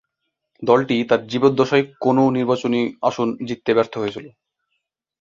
দলটি তার জীবদ্দশায় কোনও নির্বাচনী আসন জিততে ব্যর্থ হয়েছিল।